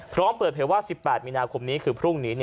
พร้อมเปิดเพลงว่า๑๘มินาคมนี้ก็ภูกนี้